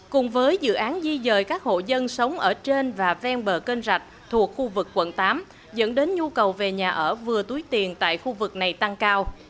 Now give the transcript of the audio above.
cùng với dự án di dời các hộ dân sống ở trên và ven bờ kênh rạch thuộc khu vực quận tám dẫn đến nhu cầu về nhà ở vừa túi tiền tại khu vực này tăng cao